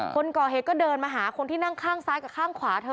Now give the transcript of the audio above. คนก่อเหตุก็เดินมาหาคนที่นั่งข้างซ้ายกับข้างขวาเธอ